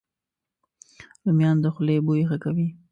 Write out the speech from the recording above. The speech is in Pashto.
رومیان د خولې بوی ښه کوي